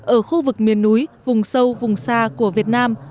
ở khu vực miền núi vùng sâu vùng xa của việt nam